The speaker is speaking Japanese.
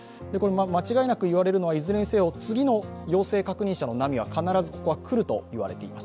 間違いなく言われるのはいずれにせよ陽性確認者の波は必ずくると言われています。